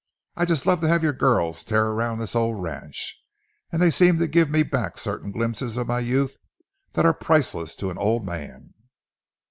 I just love to have your girls tear around this old ranch—they seem to give me back certain glimpses of my youth that are priceless to an old man."